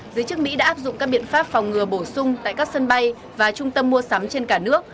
giới chức mỹ đã áp dụng các biện pháp phòng ngừa bổ sung tại các sân bay và trung tâm mua sắm trên cả nước